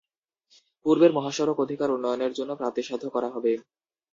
পূর্বের মহাসড়ক অধিকার উন্নয়নের জন্য প্রাপ্তিসাধ্য করা হবে।